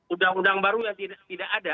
undang undang baru yang tidak ada